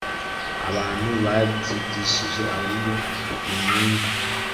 abantu babyigishije ahubwo ntimwumva